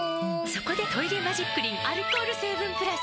そこで「トイレマジックリン」アルコール成分プラス！